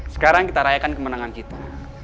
sekarang kita rayakan kemenangan kita